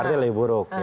artinya lebih buruk